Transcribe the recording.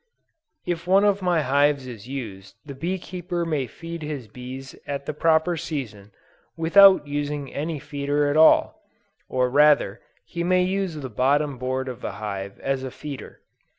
If one of my hives is used, the bee keeper may feed his bees at the proper season, without using any feeder at all, or rather he may use the bottom board of the hive as a feeder.